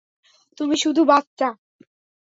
তুমি শুধু বাচ্চা।